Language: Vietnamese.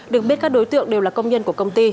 được biết các đối tượng đều là công nhân của công ty